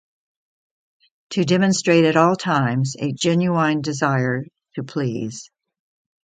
To demonstrate at all times a genuine desire to please.